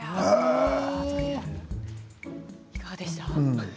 いかがでした？